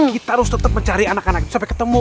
kita harus tetep mencari anak anak itu sampai ketemu